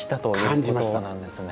感じました。